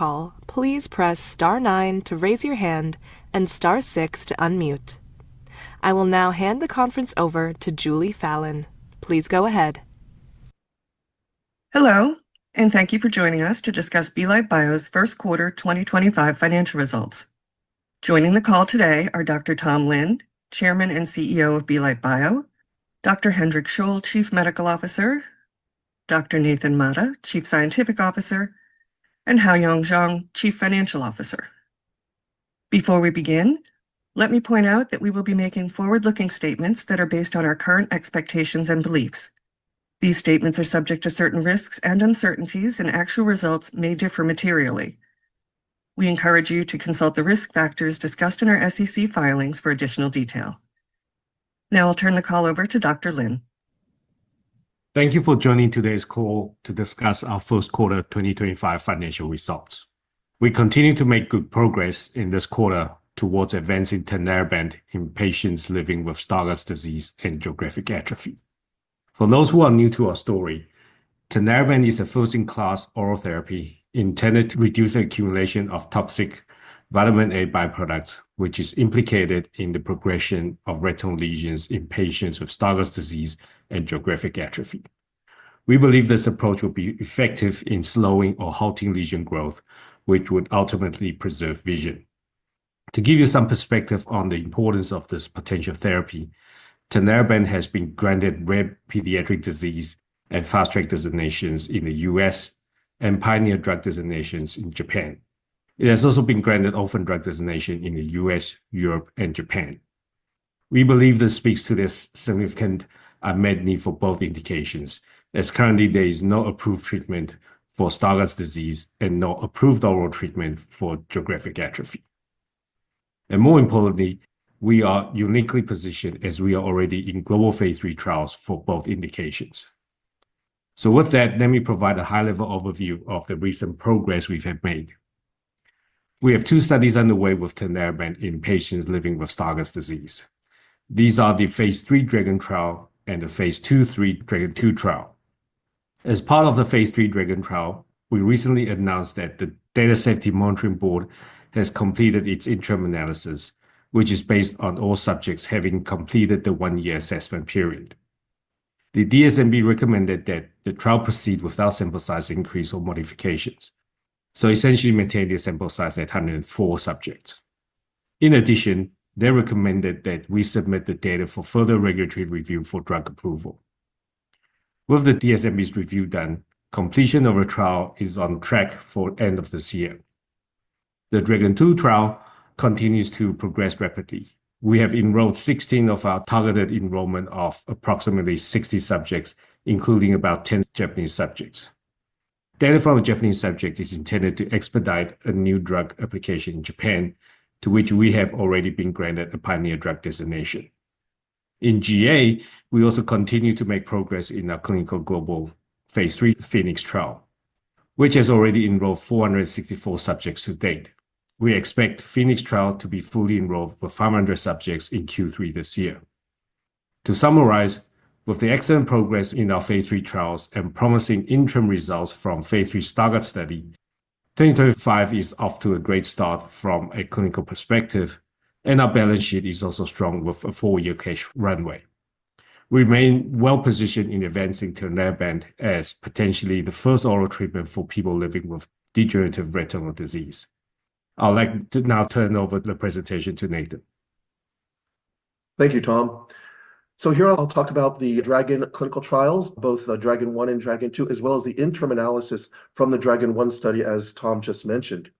Call, please press star nine to raise your hand, and star six to unmute. I will now hand the conference over to Julie Fallon. Please go ahead. Hello, and thank you for joining us to discuss Belite Bio's first quarter 2025 financial results. Joining the call today are Dr. Tom Lin, Chairman and CEO of Belite Bio; Dr. Hendrik Scholl, Chief Medical Officer; Dr. Nathan Mata, Chief Scientific Officer; and Hao-Yuan Chuang, Chief Financial Officer. Before we begin, let me point out that we will be making forward-looking statements that are based on our current expectations and beliefs. These statements are subject to certain risks and uncertainties, and actual results may differ materially. We encourage you to consult the risk factors discussed in our SEC filings for additional detail. Now I'll turn the call over to Dr. Lin. Thank you for joining today's call to discuss our first quarter 2025 financial results. We continue to make good progress in this quarter towards advancing Tinlarebant in patients living with Stargardt disease and geographic atrophy. For those who are new to our story, Tinlarebant is a first-in-class oral therapy intended to reduce the accumulation of toxic vitamin A byproducts, which is implicated in the progression of retinal lesions in patients with Stargardt disease and geographic atrophy. We believe this approach will be effective in slowing or halting lesion growth, which would ultimately preserve vision. To give you some perspective on the importance of this potential therapy, Tinlarebant has been granted rare pediatric disease and fast-track designations in the U.S. and pioneer drug designations in Japan. It has also been granted orphan drug designation in the U.S., Europe, and Japan. We believe this speaks to the significant unmet need for both indications, as currently there is no approved treatment for Stargardt disease and no approved oral treatment for geographic atrophy. More importantly, we are uniquely positioned, as we are already in global phase III trials for both indications. With that, let me provide a high-level overview of the recent progress we've made. We have two studies underway with Tinlarebant in patients living with Stargardt disease. These are the phase III Dragon trial and the phase II/III Dragon Two trial. As part of the phase 3 Dragon trial, we recently announced that the Data Safety Monitoring Board has completed its interim analysis, which is based on all subjects having completed the one-year assessment period. The DSMB recommended that the trial proceed without sample size increase or modifications, so essentially maintain the sample size at 104 subjects. In addition, they recommended that we submit the data for further regulatory review for drug approval. With the DSMB's review done, completion of a trial is on track for the end of this year. The Dragon Two trial continues to progress rapidly. We have enrolled 16 of our targeted enrollment of approximately 60 subjects, including about 10 Japanese subjects. Data from a Japanese subject is intended to expedite a new drug application in Japan, to which we have already been granted a pioneer drug designation. In GA, we also continue to make progress in our clinical global phase three Phoenix trial, which has already enrolled 464 subjects to date. We expect Phoenix trial to be fully enrolled with 500 subjects in Q3 this year. To summarize, with the excellent progress in our phase three trials and promising interim results from phase three Stargardt study, 2025 is off to a great start from a clinical perspective, and our balance sheet is also strong with a four-year cash runway. We remain well positioned in advancing Tinlarebant as potentially the first oral treatment for people living with degenerative retinal disease. I'd like to now turn over the presentation to Nathan. Thank you, Tom. Here I'll talk about the Dragon clinical trials, both Dragon one and Dragon two, as well as the interim analysis from the Dragon one study, as Tom just mentioned.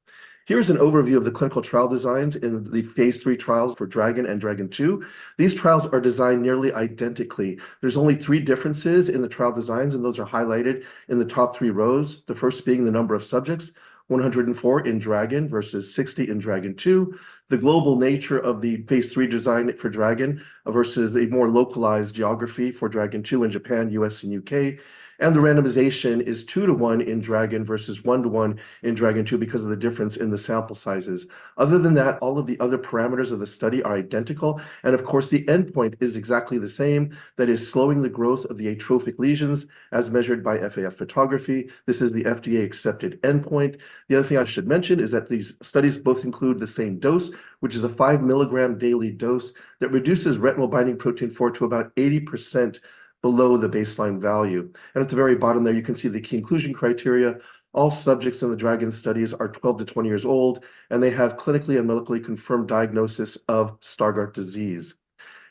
Here's an overview of the clinical trial designs in the phase three trials for Dragon and Dragon two. These trials are designed nearly identically. There are only three differences in the trial designs, and those are highlighted in the top three rows, the first being the number of subjects: 104 in Dragon versus 60 in Dragon two. The global nature of the phase three design for Dragon versus a more localized geography for Dragon two in Japan, U.S., and U.K., and the randomization is two to one in Dragon versus one to one in Dragon two because of the difference in the sample sizes. Other than that, all of the other parameters of the study are identical, and of course, the endpoint is exactly the same. That is slowing the growth of the atrophic lesions as measured by FAF photography. This is the FDA-accepted endpoint. The other thing I should mention is that these studies both include the same dose, which is a five milligram daily dose that reduces retinal binding protein four to about 80% below the baseline value. At the very bottom there, you can see the key inclusion criteria. All subjects in the Dragon studies are 12 years- 20 years old, and they have clinically and medically confirmed diagnosis of Stargardt disease.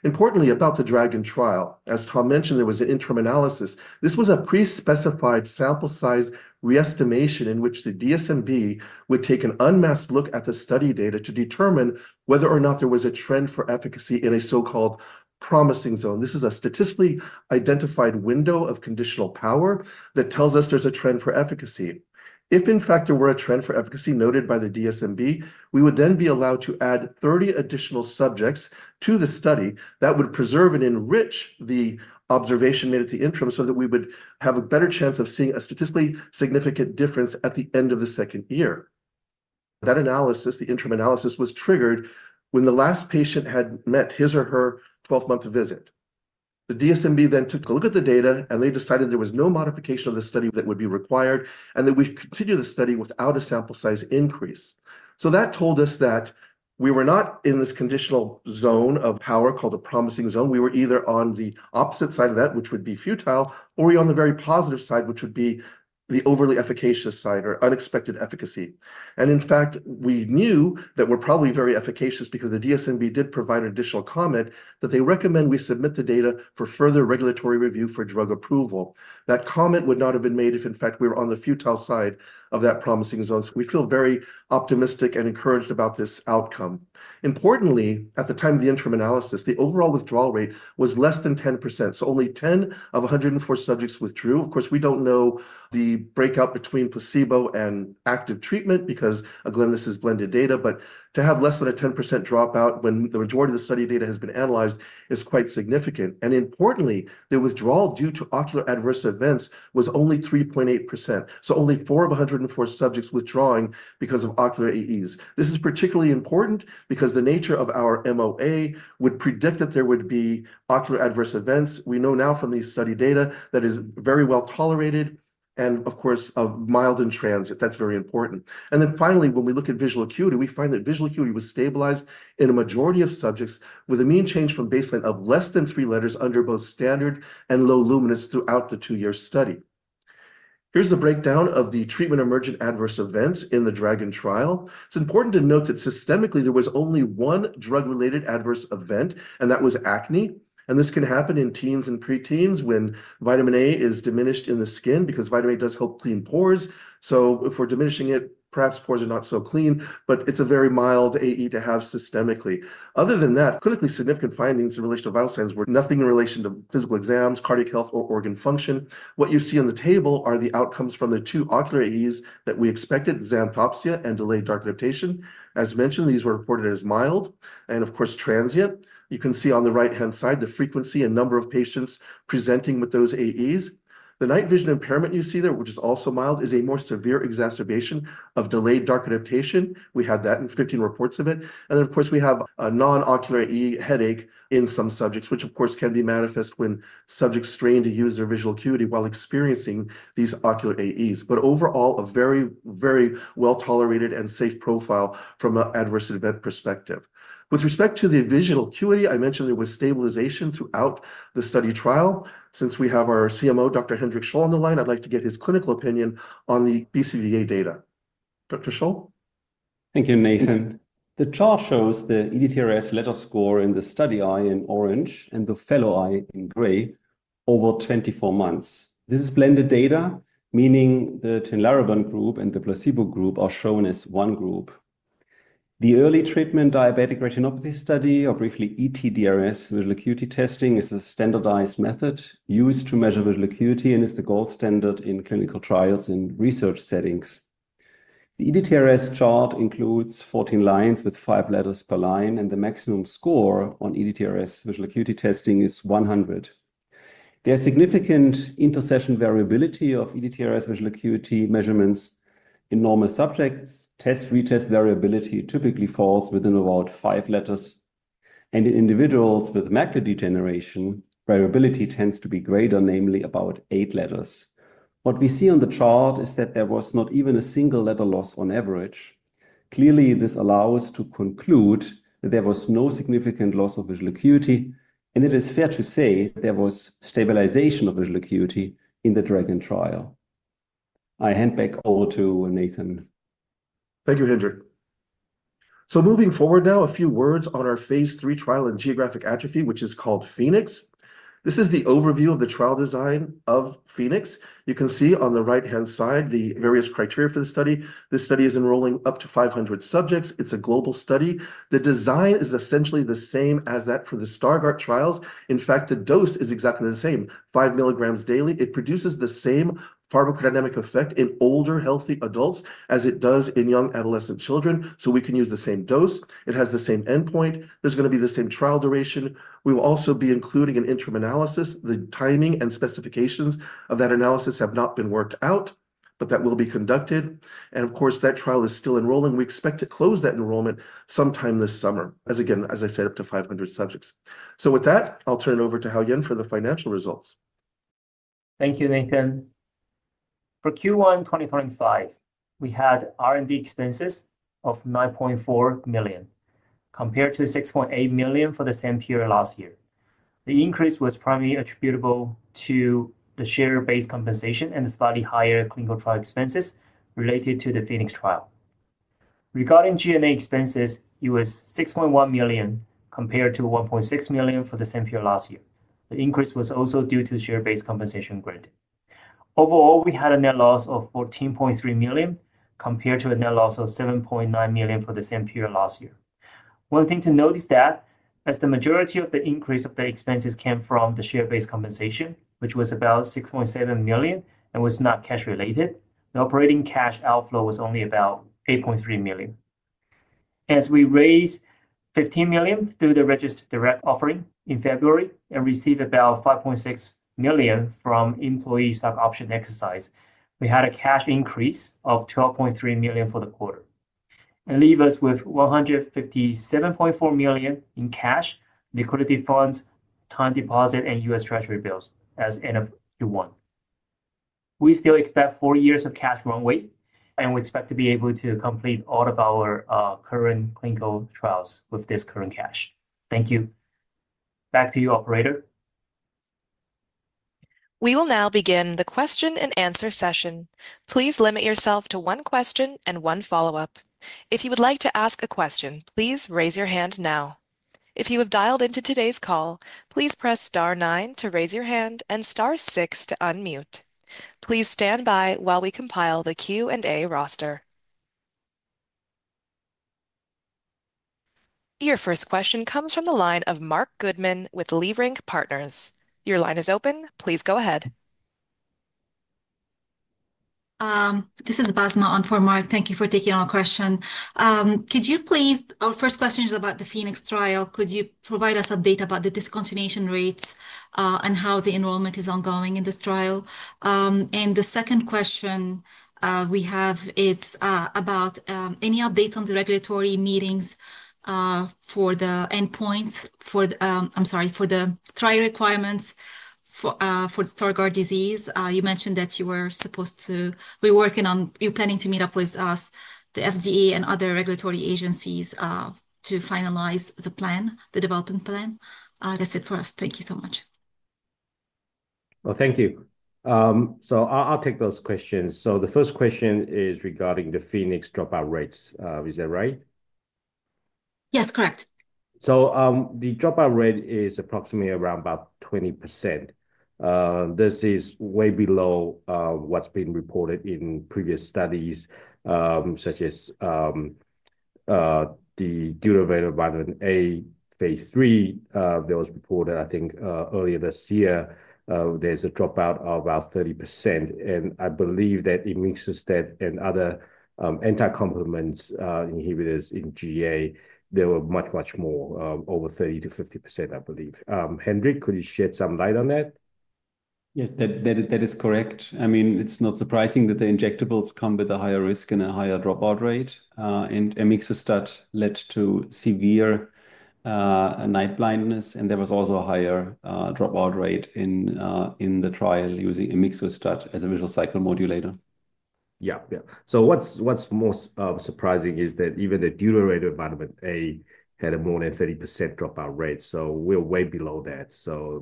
Importantly, about the Dragon trial, as Tom mentioned, there was an interim analysis. This was a pre-specified sample size re-estimation in which the DSMB would take an unmasked look at the study data to determine whether or not there was a trend for efficacy in a so-called promising zone. This is a statistically identified window of conditional power that tells us there's a trend for efficacy. If in fact there were a trend for efficacy noted by the DSMB, we would then be allowed to add 30 additional subjects to the study that would preserve and enrich the observation made at the interim so that we would have a better chance of seeing a statistically significant difference at the end of the second year. That analysis, the interim analysis, was triggered when the last patient had met his or her 12-month visit. The DSMB then took a look at the data, and they decided there was no modification of the study that would be required, and that we continue the study without a sample size increase. That told us that we were not in this conditional zone of power called a promising zone. We were either on the opposite side of that, which would be futile, or we were on the very positive side, which would be the overly efficacious side or unexpected efficacy. In fact, we knew that we're probably very efficacious because the DSMB did provide an additional comment that they recommend we submit the data for further regulatory review for drug approval. That comment would not have been made if in fact we were on the futile side of that promising zone. We feel very optimistic and encouraged about this outcome. Importantly, at the time of the interim analysis, the overall withdrawal rate was less than 10%, so only 10 of 104 subjects withdrew. Of course, we do not know the breakout between placebo and active treatment because, again, this is blended data, but to have less than a 10% dropout when the majority of the study data has been analyzed is quite significant. Importantly, the withdrawal due to ocular adverse events was only 3.8%, so only four of 104 subjects withdrawing because of ocular AEs. This is particularly important because the nature of our MOA would predict that there would be ocular adverse events. We know now from these study data that it is very well tolerated and, of course, mild in transit. That is very important. Finally, when we look at visual acuity, we find that visual acuity was stabilized in a majority of subjects with a mean change from baseline of less than three letters under both standard and low luminance throughout the two-year study. Here is the breakdown of the treatment emergent adverse events in the Dragon trial. It is important to note that systemically there was only one drug-related adverse event, and that was acne. This can happen in teens and preteens when vitamin A is diminished in the skin because vitamin A does help clean pores. If we are diminishing it, perhaps pores are not so clean, but it is a very mild AE to have systemically. Other than that, clinically significant findings in relation to vital signs were nothing in relation to physical exams, cardiac health, or organ function. What you see on the table are the outcomes from the two ocular AEs that we expected: xanthopsia and delayed dark adaptation. As mentioned, these were reported as mild and, of course, transient. You can see on the right-hand side the frequency and number of patients presenting with those AEs. The night vision impairment you see there, which is also mild, is a more severe exacerbation of delayed dark adaptation. We had that in 15 reports of it. Of course, we have a non-ocular AE headache in some subjects, which, of course, can be manifest when subjects strain to use their visual acuity while experiencing these ocular AEs. Overall, a very, very well-tolerated and safe profile from an adverse event perspective. With respect to the visual acuity, I mentioned there was stabilization throughout the study trial. Since we have our CMO, Dr. Hendrik Scholl, on the line, I'd like to get his clinical opinion on the BCVA data. Dr. Scholl? Thank you, Nathan. The chart shows the ETDRS letter score in the study eye in orange and the fellow eye in gray over 24 months. This is blended data, meaning the Tinlarebant group and the placebo group are shown as one group. The early treatment diabetic retinopathy study, or briefly ETDRS, visual acuity testing is a standardized method used to measure visual acuity and is the gold standard in clinical trials in research settings. The ETDRS chart includes 14 lines with five letters per line, and the maximum score on ETDRS visual acuity testing is 100. There is significant intersession variability of ETDRS visual acuity measurements in normal subjects. Test-retest variability typically falls within about five letters, and in individuals with macular degeneration, variability tends to be greater, namely about eight letters. What we see on the chart is that there was not even a single letter loss on average. Clearly, this allows us to conclude that there was no significant loss of visual acuity, and it is fair to say that there was stabilization of visual acuity in the Dragon trial. I hand back over to Nathan. Thank you, Hendrik. Moving forward now, a few words on our phase three trial in geographic atrophy, which is called Phoenix. This is the overview of the trial design of Phoenix. You can see on the right-hand side the various criteria for the study. This study is enrolling up to 500 subjects. It is a global study. The design is essentially the same as that for the Stargardt trials. In fact, the dose is exactly the same: five milligrams daily. It produces the same pharmacodynamic effect in older healthy adults as it does in young adolescent children, so we can use the same dose. It has the same endpoint. There is going to be the same trial duration. We will also be including an interim analysis. The timing and specifications of that analysis have not been worked out, but that will be conducted. Of course, that trial is still enrolling. We expect to close that enrollment sometime this summer, as again, as I said, up to 500 subjects. With that, I'll turn it over to Hao-Yuan for the financial results. Thank you, Nathan. For Q1 2025, we had R&D expenses of $9.4 million compared to $6.8 million for the same period last year. The increase was primarily attributable to the share-based compensation and the slightly higher clinical trial expenses related to the Phoenix trial. Regarding G&A expenses, it was $6.1 million compared to $1.6 million for the same period last year. The increase was also due to share-based compensation grant. Overall, we had a net loss of $14.3 million compared to a net loss of $7.9 million for the same period last year. One thing to note is that as the majority of the increase of the expenses came from the share-based compensation, which was about $6.7 million and was not cash-related, the operating cash outflow was only about $8.3 million. As we raised $15 million through the Registered Direct offering in February and received about $5.6 million from employee stock option exercise, we had a cash increase of $12.3 million for the quarter. This leaves us with $157.4 million in cash, liquidity funds, time deposit, and U.S. Treasury bills as of end of Q1. We still expect four years of cash runway, and we expect to be able to complete all of our current clinical trials with this current cash. Thank you. Back to you, operator. We will now begin the question and answer session. Please limit yourself to one question and one follow-up. If you would like to ask a question, please raise your hand now. If you have dialed into today's call, please press star nine to raise your hand and star six to unmute. Please stand by while we compile the Q&A roster. Your first question comes from the line of Mark Goodman with Leerink Partners. Your line is open. Please go ahead. This is Basma on for Mark. Thank you for taking our question. Could you please, our first question is about the Phoenix trial. Could you provide us update about the discontinuation rates and how the enrollment is ongoing in this trial? The second question we have is about any update on the regulatory meetings for the endpoints for, I'm sorry, for the trial requirements for Stargardt disease. You mentioned that you were supposed to, we're working on, you're planning to meet up with us, the FDA and other regulatory agencies to finalize the plan, the development plan. That's it for us. Thank you so much. Thank you. I'll take those questions. The first question is regarding the Phoenix dropout rates. Is that right? Yes, correct. The dropout rate is approximately around about 20%. This is way below what's been reported in previous studies, such as the Duraviron vitamin A phase three. There was reported, I think, earlier this year, there's a dropout of about 30%. I believe that amoxicillin and other anti-complement inhibitors in GA, there were much, much more, over 30%-50%, I believe. Hendrik, could you shed some light on that? Yes, that is correct. I mean, it's not surprising that the injectables come with a higher risk and a higher dropout rate. Amoxicillin led to severe night blindness, and there was also a higher dropout rate in the trial using amoxicillin as a visual cycle modulator. Yeah, yeah. What's most surprising is that even the Duraviron vitamin A had a more than 30% dropout rate. We're way below that.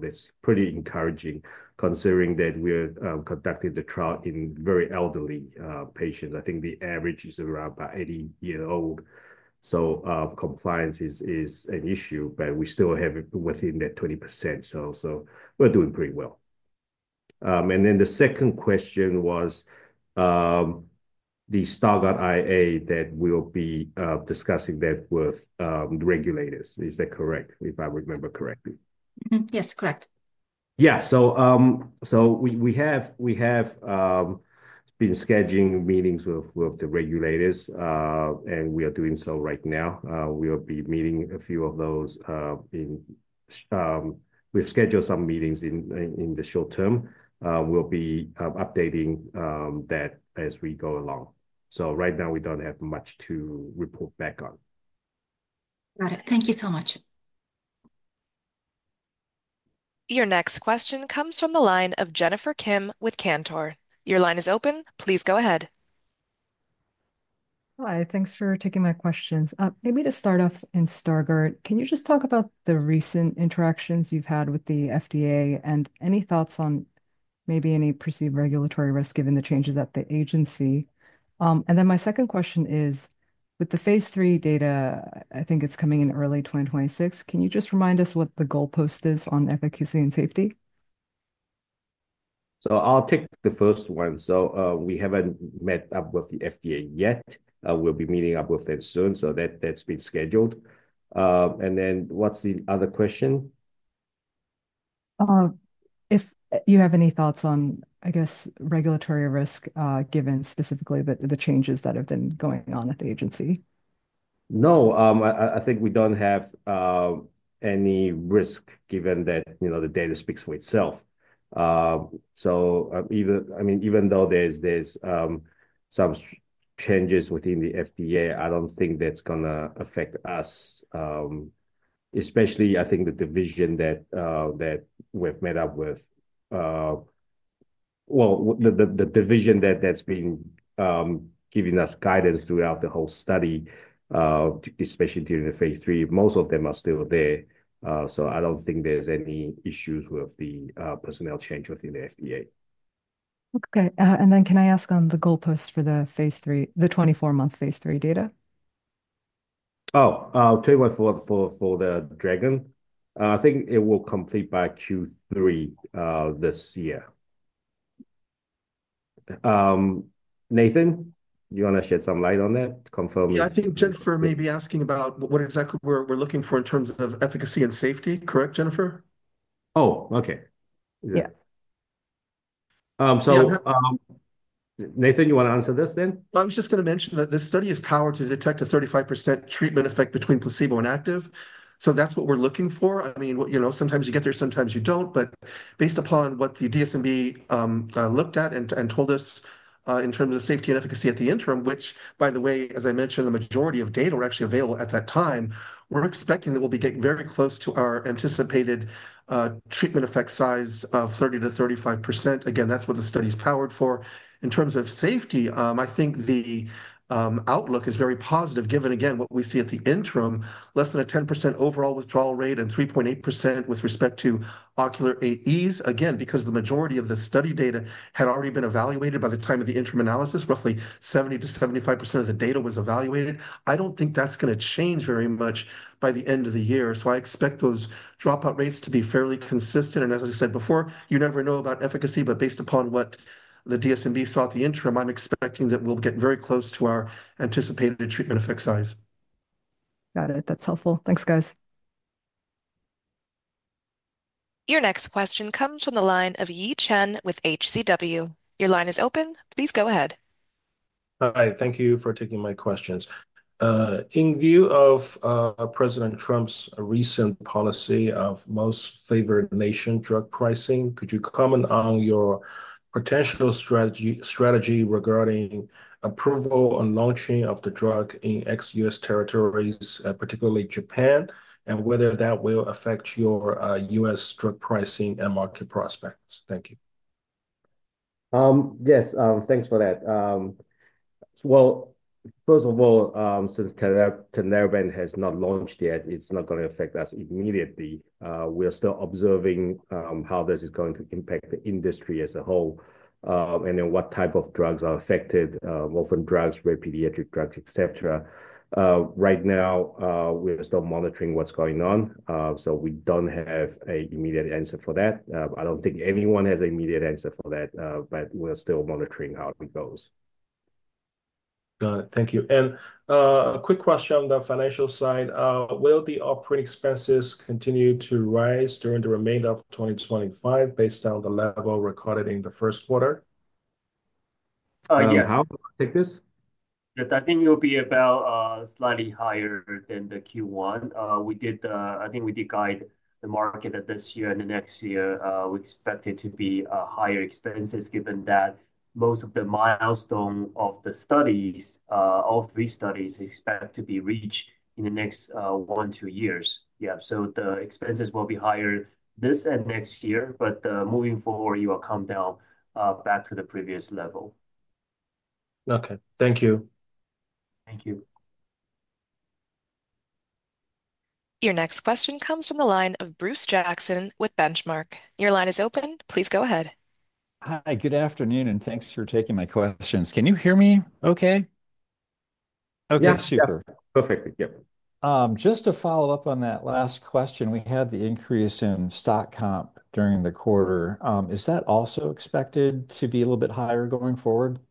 That's pretty encouraging considering that we're conducting the trial in very elderly patients. I think the average is around about 80 years old. Compliance is an issue, but we still have it within that 20%. We're doing pretty well. The second question was the Starguss IA that we'll be discussing that with the regulators. Is that correct? If I remember correctly. Yes, correct. Yeah. So we have been scheduling meetings with the regulators, and we are doing so right now. We'll be meeting a few of those. We've scheduled some meetings in the short term. We'll be updating that as we go along. Right now, we don't have much to report back on. Got it. Thank you so much. Your next question comes from the line of Jennifer Kim with Cantor. Your line is open. Please go ahead. Hi, thanks for taking my questions. Maybe to start off in Stargardt, can you just talk about the recent interactions you've had with the FDA and any thoughts on maybe any perceived regulatory risk given the changes at the agency? My second question is, with the phase three data, I think it's coming in early 2026. Can you just remind us what the goalpost is on efficacy and safety? I'll take the first one. We haven't met up with the FDA yet. We'll be meeting up with them soon. That's been scheduled. What's the other question? If you have any thoughts on, I guess, regulatory risk given specifically the changes that have been going on at the agency. No, I think we don't have any risk given that the data speaks for itself. I mean, even though there's some changes within the FDA, I don't think that's going to affect us, especially I think the division that we've met up with. The division that's been giving us guidance throughout the whole study, especially during the phase three, most of them are still there. I don't think there's any issues with the personnel change within the FDA. Okay. Can I ask on the goalpost for the phase three, the 24-month phase three data? Oh, I'll tell you what, for the Dragon, I think it will complete by Q3 this year. Nathan, you want to shed some light on that? Yeah, I think Jennifer may be asking about what exactly we're looking for in terms of efficacy and safety. Correct, Jennifer? Oh, okay. Yeah. So Nathan, you want to answer this then? I was just going to mention that this study is powered to detect a 35% treatment effect between placebo and active. That is what we are looking for. I mean, sometimes you get there, sometimes you do not. Based upon what the DSMB looked at and told us in terms of safety and efficacy at the interim, which, by the way, as I mentioned, the majority of data were actually available at that time, we are expecting that we will be getting very close to our anticipated treatment effect size of 30%-35%. Again, that is what the study is powered for. In terms of safety, I think the outlook is very positive given, again, what we see at the interim, less than a 10% overall withdrawal rate and 3.8% with respect to ocular AEs. Again, because the majority of the study data had already been evaluated by the time of the interim analysis, roughly 70-75% of the data was evaluated. I do not think that is going to change very much by the end of the year. I expect those dropout rates to be fairly consistent. As I said before, you never know about efficacy, but based upon what the DSMB saw at the interim, I am expecting that we will get very close to our anticipated treatment effect size. Got it. That's helpful. Thanks, guys. Your next question comes from the line of Ye Chen with HCW. Your line is open. Please go ahead. All right. Thank you for taking my questions. In view of President Trump's recent policy of most favored nation drug pricing, could you comment on your potential strategy regarding approval and launching of the drug in ex-U.S. territories, particularly Japan, and whether that will affect your U.S. drug pricing and market prospects? Thank you. Yes, thanks for that. First of all, since Tinlarebant has not launched yet, it's not going to affect us immediately. We are still observing how this is going to impact the industry as a whole and then what type of drugs are affected, orphan drugs, rare pediatric drugs, etc. Right now, we're still monitoring what's going on. We don't have an immediate answer for that. I don't think anyone has an immediate answer for that, but we're still monitoring how it goes. Got it. Thank you. A quick question on the financial side. Will the operating expenses continue to rise during the remainder of 2025 based on the level recorded in the first quarter? Yes. How about take this? I think it will be about slightly higher than the Q1. I think we de-guided the market that this year and the next year, we expect it to be higher expenses given that most of the milestones of the studies, all three studies, expect to be reached in the next one to two years. Yeah. So the expenses will be higher this and next year, but moving forward, it will come down back to the previous level. Okay. Thank you. Thank you. Your next question comes from the line of Bruce Jackson with Benchmark. Your line is open. Please go ahead. Hi, good afternoon, and thanks for taking my questions. Can you hear me okay? Okay, super. Perfect. Yeah. Just to follow up on that last question, we had the increase in stock comp during the quarter. Is that also expected to be a little bit higher going forward? It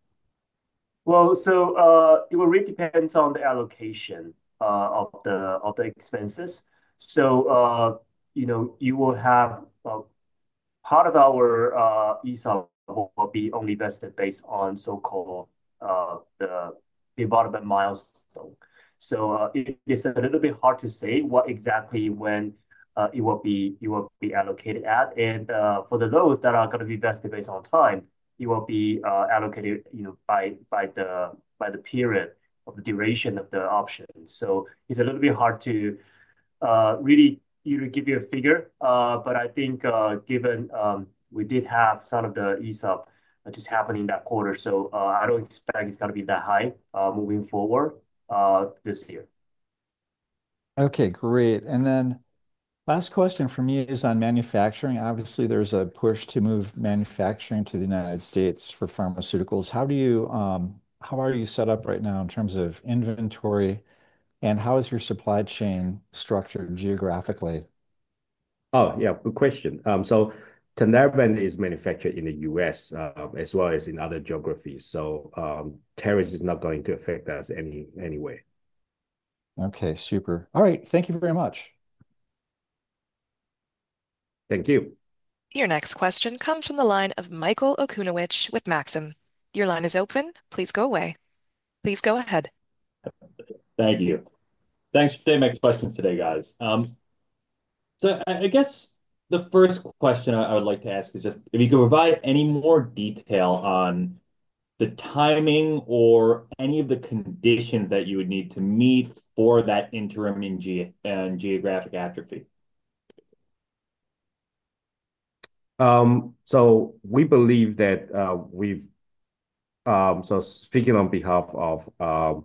will really depend on the allocation of the expenses. You will have part of our ESOP will be only vested based on so-called the development milestone. It is a little bit hard to say what exactly when it will be allocated at. For those that are going to be vested based on time, it will be allocated by the period of the duration of the option. It is a little bit hard to really give you a figure, but I think given we did have some of the ESOP just happening that quarter, I do not expect it is going to be that high moving forward this year. Okay, great. Last question for me is on manufacturing. Obviously, there's a push to move manufacturing to the U.S. for pharmaceuticals. How are you set up right now in terms of inventory, and how is your supply chain structured geographically? Oh, yeah, good question. Tinlarebant is manufactured in the U.S. as well as in other geographies. Tariffs is not going to affect us anyway. Okay, super. All right, thank you very much. Thank you. Your next question comes from the line of Michael Okunovich with Maxim. Your line is open. Please go ahead. Thank you. Thanks for taking my questions today, guys. I guess the first question I would like to ask is just if you could provide any more detail on the timing or any of the conditions that you would need to meet for that interim in geographic atrophy. We believe that we've, speaking on behalf of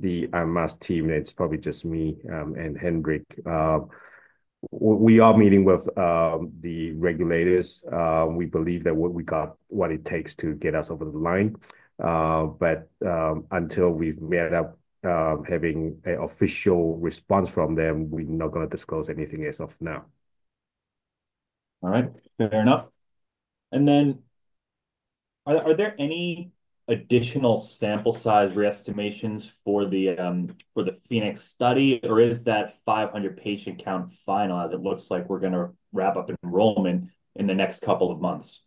the MS team, and it's probably just me and Hendrik, we are meeting with the regulators. We believe that we got what it takes to get us over the line. Until we've met up, having an official response from them, we're not going to disclose anything as of now. All right. Fair enough. Are there any additional sample size re-estimations for the Phoenix study, or is that 500 patient count final as it looks like we're going to wrap up enrollment in the next couple of months?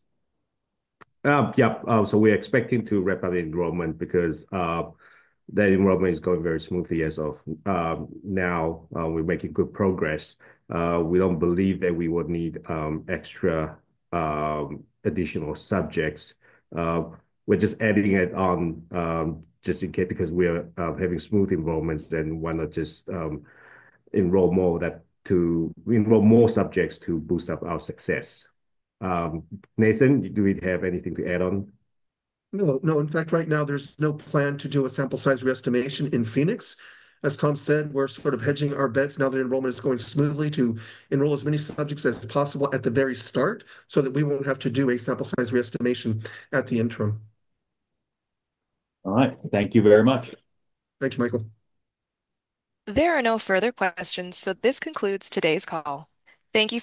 Yeah. We're expecting to wrap up enrollment because that enrollment is going very smoothly as of now. We're making good progress. We don't believe that we would need extra additional subjects. We're just adding it on just in case because we're having smooth enrollments and want to just enroll more subjects to boost up our success. Nathan, do we have anything to add on? No, no. In fact, right now, there's no plan to do a sample size re-estimation in Phoenix. As Tom said, we're sort of hedging our bets now that enrollment is going smoothly to enroll as many subjects as possible at the very start so that we won't have to do a sample size re-estimation at the interim. All right. Thank you very much. Thank you, Michael. There are no further questions. This concludes today's call. Thank you.